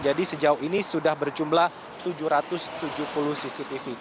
jadi sejauh ini sudah berjumlah tujuh ratus tujuh puluh cctv